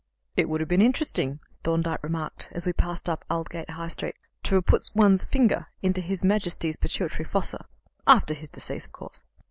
"It would have been interesting," Thorndyke remarked as we passed up Aldgate High Street, "to have put one's finger into His Majesty's pituitary fossa after his decease, of course.